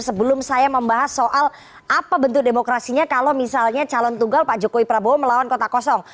sebelum saya membahas soal apa bentuk demokrasinya kalau misalnya calon tunggal pak jokowi prabowo melawan kota kosong